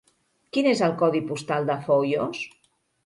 Quin és el codi postal de Foios?